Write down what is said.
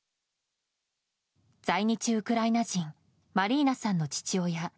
在日ウクライナ人マリーナさんの父親